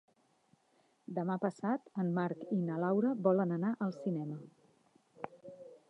Demà passat en Marc i na Laura volen anar al cinema.